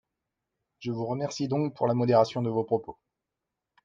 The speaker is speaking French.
Je vous remercie donc pour la modération de vos propos.